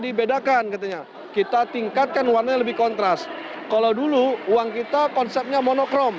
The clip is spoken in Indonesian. dibedakan katanya kita tingkatkan warnanya lebih kontras kalau dulu uang kita konsepnya monokrom